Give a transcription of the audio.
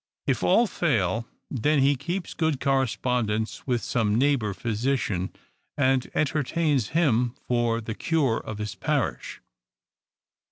If all fail, then he keeps good correspondence with some neighbor physician, and entertains him for the cure of his parish.